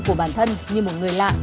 của bản thân như một người lạ